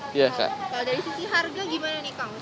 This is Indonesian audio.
kalau dari sisi harga gimana nih kang